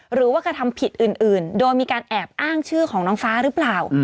หรือว่ากระทำผิดอื่นโดยมีการแอบอ้างชื่อของน้องฟ้าหรือเปล่า